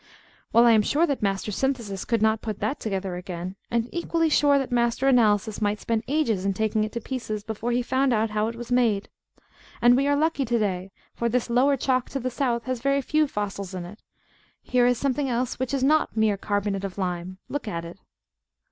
Well, I am sure that Master Synthesis could not put that together again: and equally sure that Master Analysis might spend ages in taking it to pieces, before he found out how it was made. And we are lucky to day, for this lower chalk to the south has very few fossils in it here is something else which is not mere carbonate of lime. Look at it.